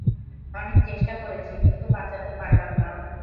অনেক চেষ্টা করেছি কিন্তু বাঁচাতে পারলাম না।